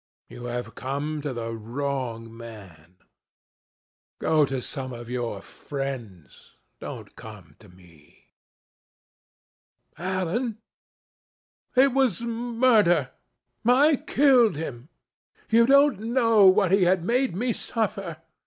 You have come to the wrong man. Go to some of your friends. Don't come to me." "Alan, it was murder. I killed him. You don't know what he had made me suffer.